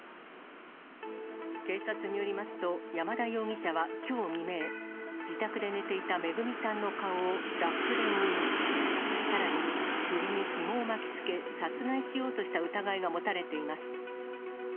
警察によりますと、山田容疑者はきょう未明、自宅で寝ていためぐみさんの顔をラップで覆い、さらに、首にひもを巻きつけ、殺害しようとした疑いが持たれています。